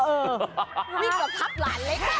วิ่งขวากภัพรหลานเล็ก